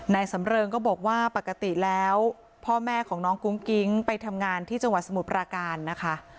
สำเริงก็บอกว่าปกติแล้วพ่อแม่ของน้องกุ้งกิ๊งไปทำงานที่จังหวัดสมุทรปราการนะคะ